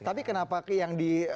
tapi kenapa yang di